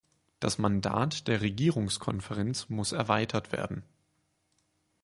Das Mandat der Regierungskonferenz muss erweitert werden.